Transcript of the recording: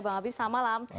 bang habib selamat malam